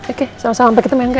oke sama sama sampai ketemu angga